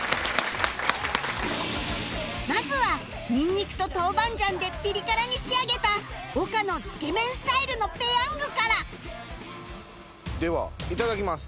まずはニンニクと豆板醤でピリ辛に仕上げた岡のつけ麺スタイルのペヤングからではいただきます。